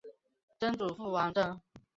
曾祖父王珍。